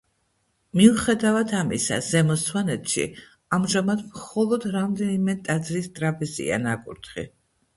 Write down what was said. მიუხედავად ამისა, ზემო სვანეთში ამჟამად მხოლოდ რამდენიმე ტაძრის ტრაპეზია ნაკურთხი.